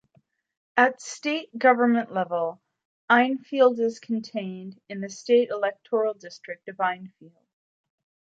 At state government level, Enfield is contained in the state electoral district of Enfield.